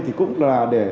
thì cũng là để